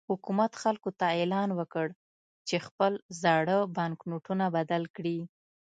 حکومت خلکو ته اعلان وکړ چې خپل زاړه بانکنوټونه بدل کړي.